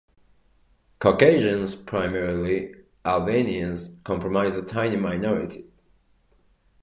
Caucasians, primarily Albanians, comprise a tiny minority.